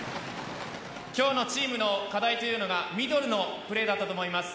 今日のチームの課題というのがミドルのプレーだったと思います。